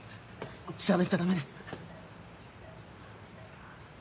しゃべっちゃダメです。